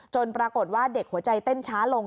ปรากฏว่าเด็กหัวใจเต้นช้าลง